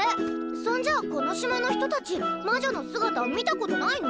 そんじゃこの島の人たち魔女の姿見た事ないの？